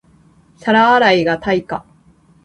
皿洗いが対価